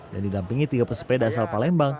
dan didampingi tiga pesepeda asal palembang